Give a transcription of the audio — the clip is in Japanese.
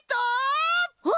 あっ！